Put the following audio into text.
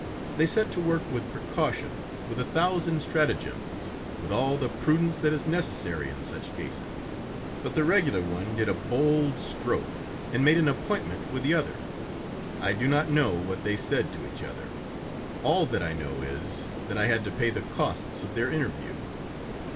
They set to work with precaution, with a thousand stratagems, with all the prudence that is necessary in such cases, but the regular one did a bold stroke, and made an appointment with the other. I do not know what they said to each other; all that I know is, that I had to pay the costs of their interview.